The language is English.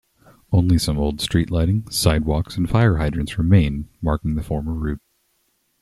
Only some old street lighting, sidewalks and fire hydrants remain, marking the former route.